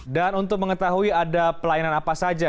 dan untuk mengetahui ada pelayanan apa saja